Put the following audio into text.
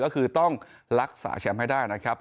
ก็คือต้องรักษาแชมป์ให้ได้นะครับ